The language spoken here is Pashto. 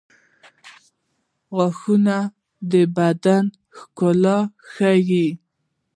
• غاښونه د بدن ښکلا ښيي.